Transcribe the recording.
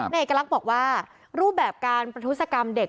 เอกลักษณ์บอกว่ารูปแบบการประทุศกรรมเด็ก